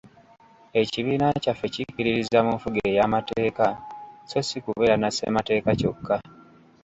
Ekibiina kyaffe kikkiririza mu nfuga ey'amateeka so si kubeera na Ssemateeka kyokka.